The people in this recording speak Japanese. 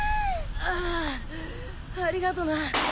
ああありがとな。